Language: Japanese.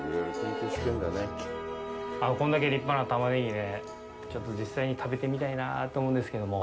これだけ立派なたまねぎね、ちょっと実際に食べてみたいなぁと思うんですけども。